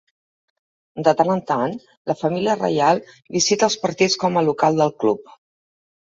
De tant en tant, la família reial visita els partits com a local del club.